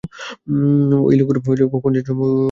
এই লোকগুলা যে কখন যামু এইখান থেইক্যা?